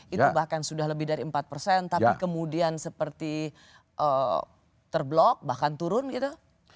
itu bahkan sudah lebih dari empat persen tapi kemudian seperti terblok bahkan turun gitu